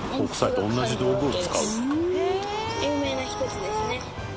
有名な１つですね。